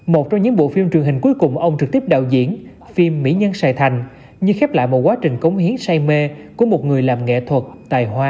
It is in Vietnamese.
một trong những bộ phim truyền hình cuối cùng ông trực tiếp đạo diễn phim mỹ nhân sài thành như khép lại một quá trình cống hiến say mê của một người làm nghệ thuật tài hoa